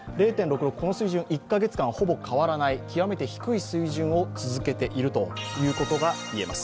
この水準、１カ月間ほぼ変わらない極めて低い水準を続けているということが言えます。